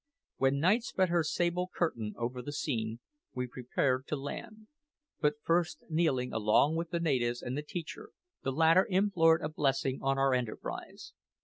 When night spread her sable curtain over the scene, we prepared to land; but first kneeling along with the natives and the teacher, the latter implored a blessing on our enterprise.